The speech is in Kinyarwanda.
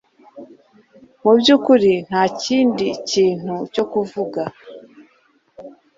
Mu byukuri nta kindi kintu cyo kuvuga